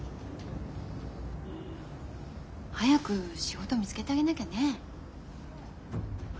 早く仕事見つけてあげなきゃねえ。